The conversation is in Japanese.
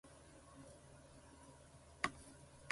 あまぷら